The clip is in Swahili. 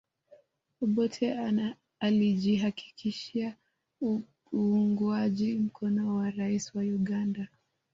Obote alijihakikishia uungwaji mkono wa raia wa Uganda